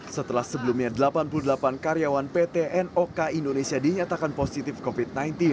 setelah sebelumnya delapan puluh delapan karyawan pt nok indonesia dinyatakan positif covid sembilan belas